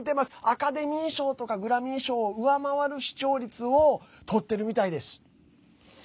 アカデミー賞とかグラミー賞を上回る視聴率をとってるみたいです。